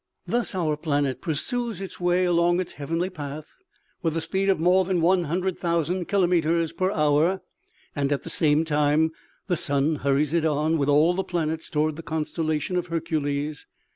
"Thus our planet pursues its way along its heavenly path, with a speed of more than 100,000 kilometers per hour, and, at the same time, the sun hurries it on, with all the planets, toward the constellation of Hercules.